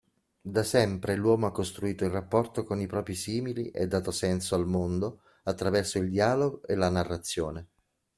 Da sempre l'uomo ha costruito il rapporto con i propri simili e dato senso al mondo, attraverso il dialogo e la narrazione.